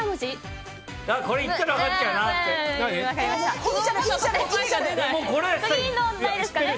それ言ったら分かっちゃうな。